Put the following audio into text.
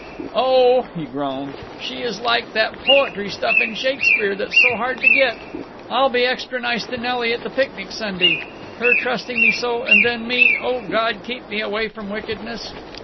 "Oh," he groaned, "she is like that poetry stuff in Shakespeare that's so hard to get…. I'll be extra nice to Nelly at the picnic Sunday…. Her trusting me so, and then me—O God, keep me away from wickedness!"